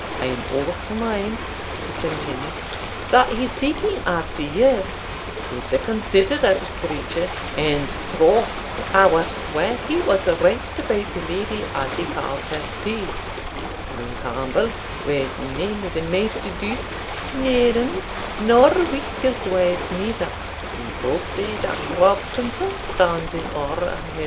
I am o' the mind," he continued, "that he's seeking after you it's a considerate creature and troth, I wad swear he was right about the leddy, as he ca's her, too Helen Campbell was nane o' the maist douce maidens, nor meekest wives neither, and folk say that Rob himsell stands in awe o' her.